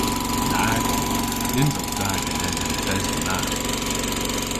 Nag o! Nyns o da genen an desen na.